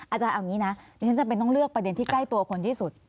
อาจารย์เอางี้นะฉันจะไปต้องเลือกประเด็นที่ใกล้ตัวคนที่สุด